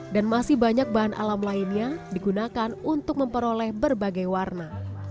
dan masih banyak bahan alam lainnya digunakan untuk memperoleh berbagai warna